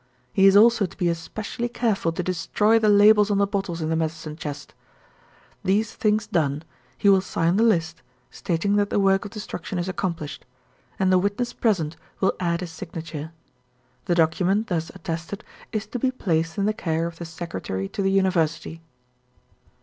He is also to be especially careful to destroy the labels on the bottles in the medicine chest. These things done, he will sign the list, stating that the work of destruction is accomplished; and the witness present will add his signature. The document, thus attested, is to be placed in the care of the Secretary to the University.